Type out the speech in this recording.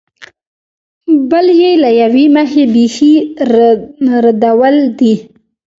بل یې له یوې مخې بېخي ردول دي.